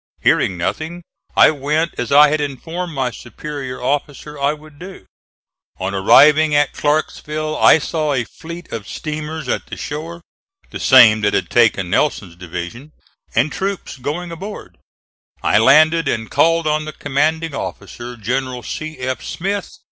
Hearing nothing, I went as I had informed my superior officer I would do. On arriving at Clarksville I saw a fleet of steamers at the shore the same that had taken Nelson's division and troops going aboard. I landed and called on the commanding officer, General C. F.